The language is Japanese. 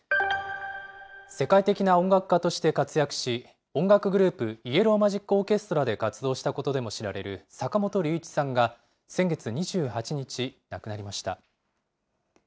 世界的な音楽家として活躍し、音楽グループ、イエロー・マジック・オーケストラで活動したことでも知られる坂本龍一さんが、先月２８日、亡くなりました。